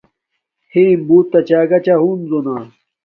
ھیم بوت آگا چھا ہنزو نا